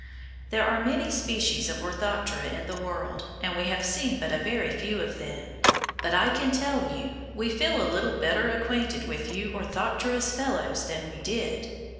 There are a great many species of Orthoptera in the world, and we have seen but a very few of them. But I can tell you, we feel a little better acquainted with you orthopterous fellows than we did.